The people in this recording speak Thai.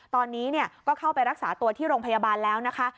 ตอนนี้ก็เข้าไปรักษาตัวที่โรงพยาบาลแล้วนะคะ